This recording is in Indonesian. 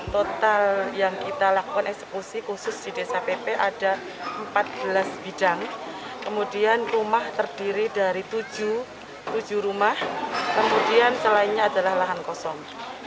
total yang kita lakukan eksekusi khusus di desa pp ada empat belas bidang kemudian rumah terdiri dari tujuh rumah kemudian selainnya adalah lahan kosong